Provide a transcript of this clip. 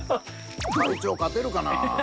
会長勝てるかな？